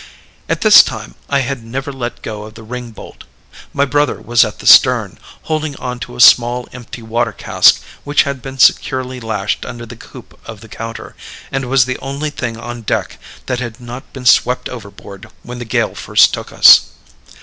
"All this time I had never let go of the ring bolt. My brother was at the stern, holding on to a small empty water cask which had been securely lashed under the coop of the counter, and was the only thing on deck that had not been swept overboard when the gale first took us.